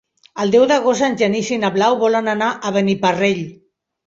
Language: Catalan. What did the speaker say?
El deu d'agost en Genís i na Blau volen anar a Beniparrell.